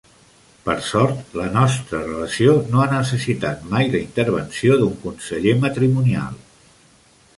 Per sort, la nostra relació no ha necessitat mai la intervenció d'un conseller matrimonial.